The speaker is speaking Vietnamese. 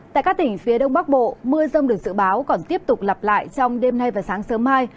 tại các tỉnh phía đông bắc bộ mưa rông được dự báo còn tiếp tục lặp lại trong đêm nay và sáng sớm mai